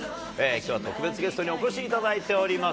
きょうは特別ゲストにお越しいただいております。